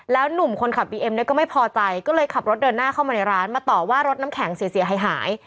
หนุ่มคนขับบีเอ็มเนี่ยก็ไม่พอใจก็เลยขับรถเดินหน้าเข้ามาในร้านมาต่อว่ารถน้ำแข็งเสียหาย